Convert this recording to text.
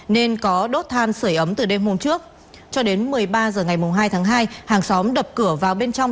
nên có đốt than sửa ấm từ đêm hôm trước cho đến một mươi ba h ngày hai tháng hai hàng xóm đập cửa vào bên trong